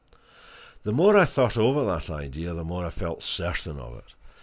The more I thought over that idea, the more I felt certain of it.